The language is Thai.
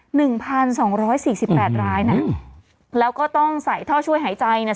หนึ่งพันสองร้อยสี่สิบแปดรายน่ะอืมแล้วก็ต้องใส่ท่อช่วยหายใจเนี่ย